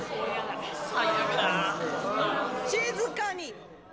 静かに！